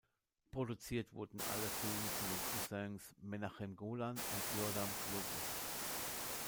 Produziert wurden alle Filme von den Cousins Menahem Golan und Yoram Globus.